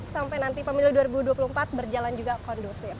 sampai nanti pemilu dua ribu dua puluh empat berjalan juga kondusif